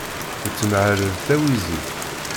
Tettmahal d tawizit.